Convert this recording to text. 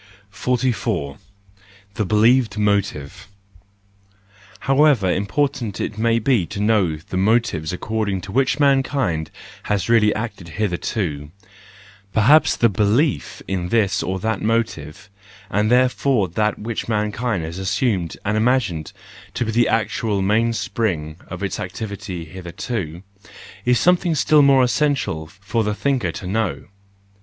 44 'The Believed Motive .—However important it may be to know the motives according to which man¬ kind has really acted hitherto, perhaps the belief in this or that motive, and therefore that which mankind has assumed and imagined to be the actual mainspring of its activity hitherto, is some¬ thing still more essential for the thinker to know.